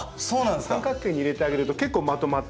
三角形に入れてあげると結構まとまってきたり。